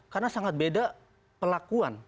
karena sangat beda pelakuan